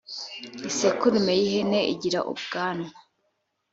isekurume y ‘ihene igira ubwanwa.